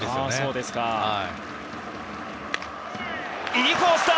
いいコースだ！